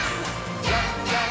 じゃんじゃん！